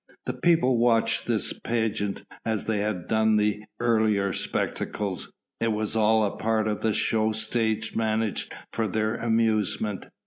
The people watched this pageant as they had done the earlier spectacles. It was all a part of the show stage managed for their amusement.